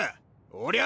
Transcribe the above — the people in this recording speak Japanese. おりゃ